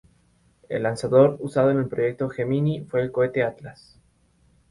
El lanzador usado en el Proyecto Gemini fue el cohete Atlas.